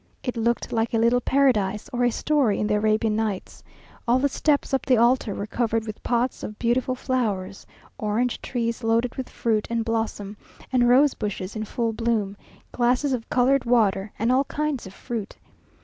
It looked like a little Paradise, or a story in the Arabian Nights. All the steps up the altar were covered with pots of beautiful flowers; orange trees, loaded with fruit and blossom, and rose bushes in full bloom, glasses of coloured water, and all kinds of fruit.